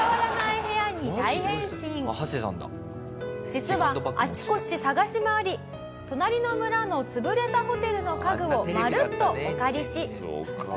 実はあちこち探し回り隣の村の潰れたホテルの家具をまるっとお借りし。